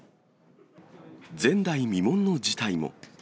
前代未聞の事態も。